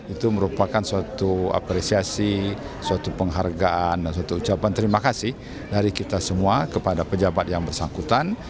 itu merupakan suatu apresiasi suatu penghargaan dan suatu ucapan terima kasih dari kita semua kepada pejabat yang bersangkutan